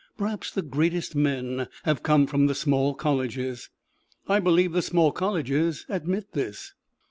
Perhaps the greatest men have come from the small colleges: I believe the small colleges admit this.